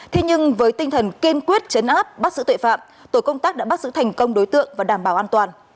thế nhưng với tinh thần kiên quyết chấn áp bắt giữ tội phạm tổ công tác đã bắt giữ thành công đối tượng và đảm bảo an toàn